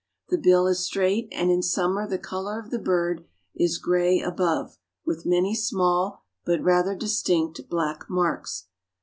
The bill is straight and in summer the color of the bird is gray above, with many small but rather distinct black marks.